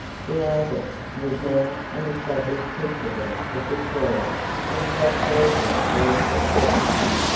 "The Argus" was now an established principle of Victoria, and prosperity was assured.